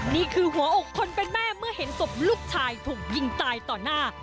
นี่คือหัวอกคนเป็นแม่เมื่อเห็นศพลูกชายถูกยิงตายต่อหน้า